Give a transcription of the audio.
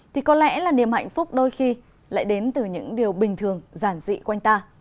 thì có lẽ là niềm hạnh phúc đôi khi lại đến từ những điều bình thường giản dị quanh ta